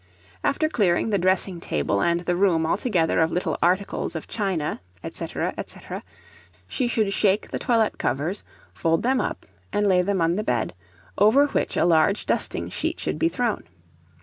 After clearing the dressing table, and the room altogether of little articles of china, &c. &c., she should shake the toilet covers, fold them up, and lay them on the bed, over which a large dusting sheet should be thrown.